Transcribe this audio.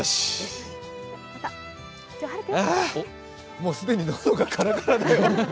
あー、もう既に喉がカラカラだよ。